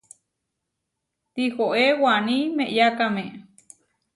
Tihoé waní meʼyákame.